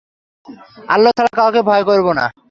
আল্লাহ ছাড়া কাউকে ভয় করবে না।